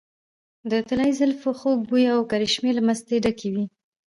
د طلايي زلفو خوږ بوي او کرشمې له مستۍ ډکې وې .